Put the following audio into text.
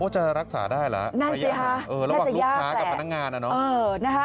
จะรักษาได้เหรอระหว่างลูกค้ากับพนักงานนะเนาะ